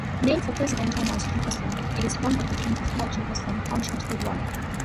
Named for President Thomas Jefferson, it is one of twenty-four Jefferson Townships statewide.